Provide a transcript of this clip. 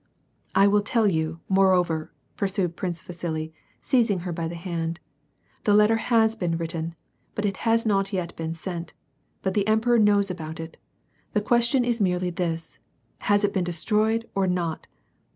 I will tell you, moreover," pursued Prince Vasili, seizing W by the hand, " the letter has been written, but it has not Wn sent yet, but the emperor knows about it. The question is merely this ; has it been destroyed or not.